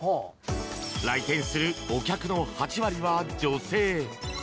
来店するお客の８割は女性。